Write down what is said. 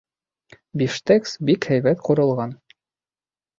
Бифштекс бик һәйбәт ҡурылған